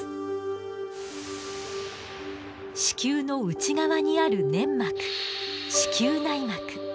子宮の内側にある粘膜子宮内膜。